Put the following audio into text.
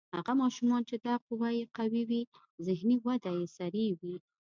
هغه ماشومان چې دا قوه یې قوي وي ذهني وده یې سریع وي.